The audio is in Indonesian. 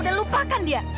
dan lupakan dia